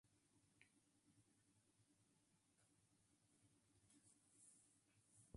No se realizó el examen histológico.